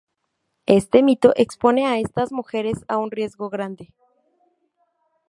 Este mito expone a estas mujeres a un riesgo grande.